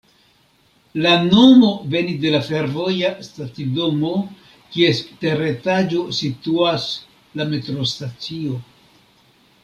La nomo venis de la fervoja stacidomo, kies teretaĝo situas la metrostacio.